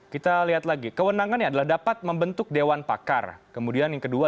kita lihat lagi kewenangannya adalah dapat membentuk dewan pakar kemudian yang kedua